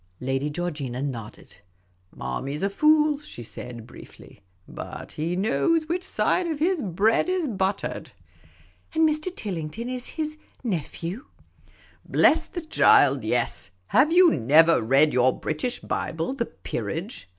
I<ady Georgina nodded. " Marmy 's a fool," she .said, briefly; " but he knows which side of his bread is buttered." " And Mr. Tillington is — his nephew ?"" Bless the child, yes ; have you never read your British Bible, the peerage